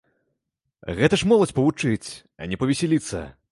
Гэта ж моладзь павучыць, а не павесяліцца!